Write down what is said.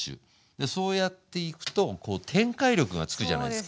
でそうやっていくとこう展開力がつくじゃないですか。